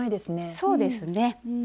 そうですね。